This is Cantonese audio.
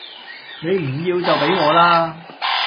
你唔要就畀我啦